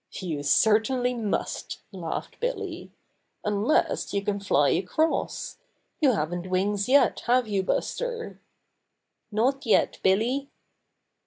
"You certainly must," laughed Billy, "un elss you can fly across. You haven't wings yet, have you, Buster?" "Not yet, Billy."